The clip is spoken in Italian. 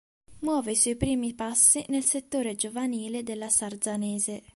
Muove i suoi primi passi nel settore giovanile della Sarzanese.